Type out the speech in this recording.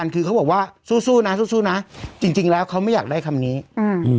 คือเขาบอกว่าสู้สู้นะสู้สู้นะจริงจริงแล้วเขาไม่อยากได้คำนี้อืม